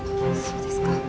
そうですか。